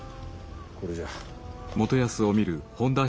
これじゃ。